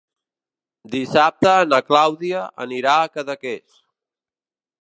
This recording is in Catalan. Dissabte na Clàudia anirà a Cadaqués.